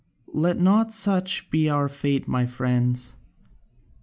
Let not such be our fate, my friends.